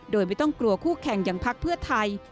โดยไม่ต้องกลัวคู่แข่งอย่างพักเพื่อไทย